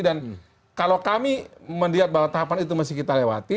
dan kalau kami melihat bahwa tahapan itu kita harus lewati